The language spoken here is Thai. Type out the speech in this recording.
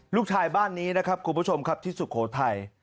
ลูกชายบ้านนี้นะครับคุณผู้ชมครับที่สุโขทัย